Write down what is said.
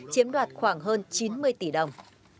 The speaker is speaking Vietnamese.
chiếm đoạt khoảng hơn chín mươi tỷ đồng